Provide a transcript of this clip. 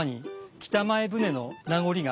北前船の名残が？